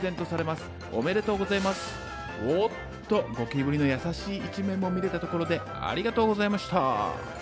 おっとゴキブリの優しい一面も見れたところでありがとうございました。